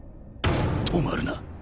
止まるな。